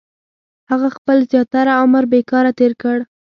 • هغه خپل زیاتره عمر بېکاره تېر کړ.